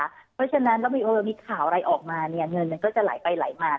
เพราะฉะนั้นแล้วมีข่าวอะไรออกมาเนี่ยเงินมันก็จะไหลไปไหลมา